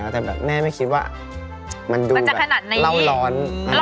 แต่แม่ไม่คิดว่ามันดูเหล้าร้อน